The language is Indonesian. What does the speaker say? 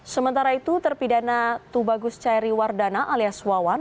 sementara itu terpidana tubagus cairi wardana alias wawan